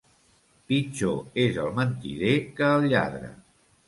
Pitjor és el mentider que el lladre.